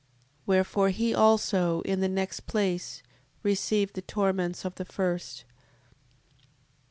Wherefore he also, in the next place, received the torments of the first: 7:9.